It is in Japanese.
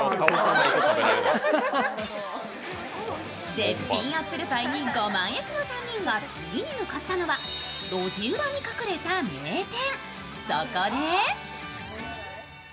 絶品アップルパイにご満悦の３人が次に向かったのは路地裏に隠れた名店。